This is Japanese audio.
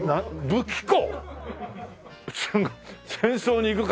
武器庫！